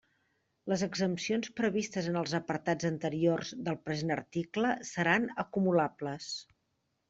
Les exempcions previstes en els apartats anteriors del present article seran acumulables.